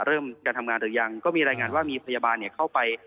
เริ่มการทำงานหรือยังก็มีรายงานว่ามีพยาบาลเข้าไป